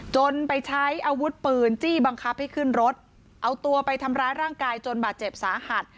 จนไปใช้อาวุธปืนจี้บังคับให้ขึ้นรถเอาตัวไปทำร้ายร่างกายจนบาดเจ็บสาหัส